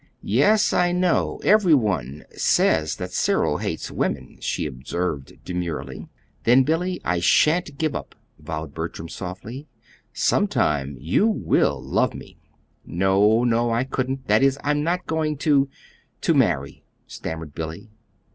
"Yes, I know. Every one says that Cyril hates women," she observed demurely. "Then, Billy, I sha'n't give up!" vowed Bertram, softly. "Sometime you WILL love me!" "No, no, I couldn't. That is, I'm not going to to marry," stammered Billy.